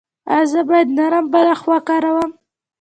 ایا زه باید نرم بالښت وکاروم؟